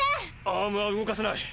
アームは動かせない。